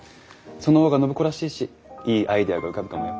その方が暢子らしいしいいアイデアが浮かぶかもよ。